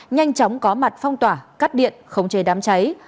nhanh chóng có mặt phong tỏa cắt điện khống chế đám cháy